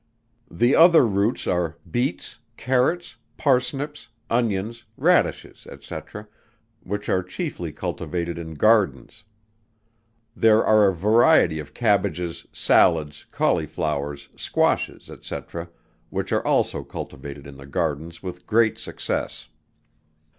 The other roots are, beets, carrots, parsnips, onions, radishes, &c. which are chiefly cultivated in gardens. There are a variety of cabbages, sallads, cauliflowers, squashes, &c. which are also cultivated in the gardens with great success.